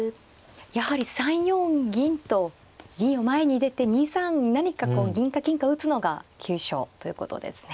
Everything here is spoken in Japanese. やはり３四銀と銀を前に出て２三に何かこう銀か金か打つのが急所ということですね。